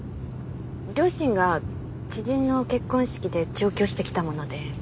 両親が知人の結婚式で上京してきたもので迎えに。